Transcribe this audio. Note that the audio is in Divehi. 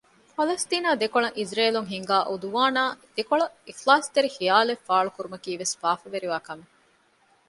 ފަލަސްޠީނާ ދެކޮޅަށް އިޒްރޭލުން ހިންގާ ޢުދުވާނާ ދެކޮޅަށް އިޚްލާޞްތެރި ޚިޔާލެއް ފާޅުކުރުމަކީވެސް ފާފަވެރިވާ ކަމެއް